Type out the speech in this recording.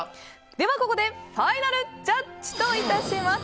では、ここでファイナルジャッジといたします。